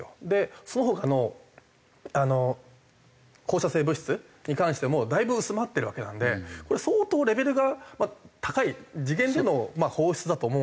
その他の放射性物質に関してもだいぶ薄まってるわけなんでこれ相当レベルが高い次元での放出だと思うんですが。